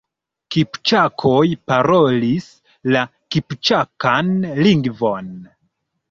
Kipĉakoj parolis la kipĉakan lingvon.